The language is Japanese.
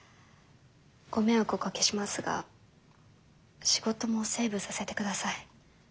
ご迷惑をおかけしますが仕事もセーブさせてください。